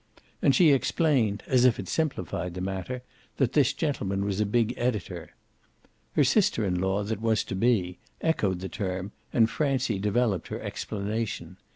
And she explained, as if it simplified the matter, that this gentleman was a big editor. Her sister in law that was to be echoed the term and Francie developed her explanation.